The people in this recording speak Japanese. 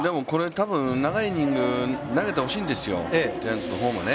多分、長いイニング投げてほしいんですよ、ジャイアンツも。